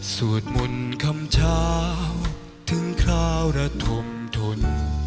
สวดมนต์คำเช้าถึงคราวรฐมทน